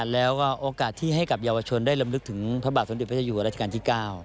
แล้วโอกาสที่ให้กับเยาวชนได้รำลึกถึงพระบาทสมศัตริย์ประชาอยู่กับรัฐกาลที่๙